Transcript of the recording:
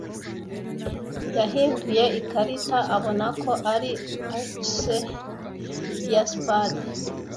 yahinduye ikarita abona ko ari ace ya spade.